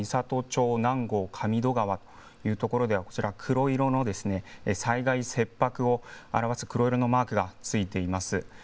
宮崎県の美郷町南郷上渡川というところではこちら、黒色の災害切迫を表す黒色のマークがついています。